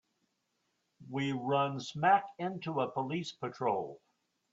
We run smack into a police patrol.